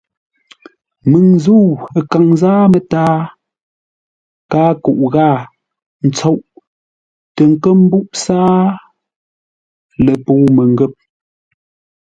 Məŋ nzə̂u kâŋ zâa mətǎa, káa kuʼ gháa ntsoʼ tə nkə́ mbúʼ sáa ləpəu məngə̂p.